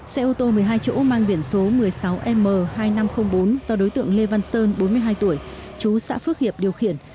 xe ô tô một mươi hai chỗ mang biển số một mươi sáu m hai nghìn năm trăm linh bốn do đối tượng lê văn sơn bốn mươi hai tuổi chú xã phước hiệp điều khiển